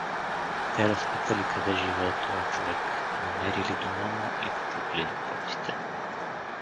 Те разпитали къде живее тоя човек, намерили дома му и почукали на портите.